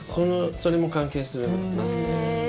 それも関係しますね。